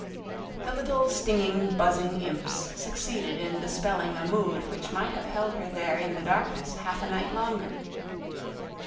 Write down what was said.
The little stinging, buzzing imps succeeded in dispelling a mood which might have held her there in the darkness half a night longer.